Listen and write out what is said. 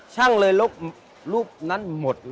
ช่างเลยลบรูปนั้นหมดเลย